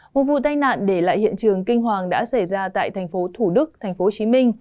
một vụ tai nạn để lại hiện trường kinh hoàng đã xảy ra tại thành phố thủ đức tp hcm